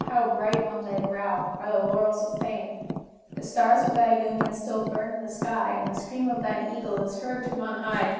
How bright on thy brow are the laurels of fame! The stars of thy Union still burn in the sky, And the scream of thine Eagle is heard from on high!